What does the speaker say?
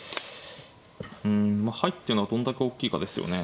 うんまあ入ってるのはどんだけ大きいかですよね。